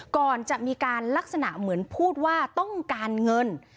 ก่อนจะมีการลักษณะเหมือนพูดว่าต้องการเงิน